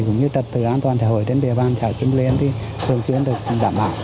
cũng như trật tự an toàn xã hội trên địa bàn xã kim liên thì thường xuyên được đảm bảo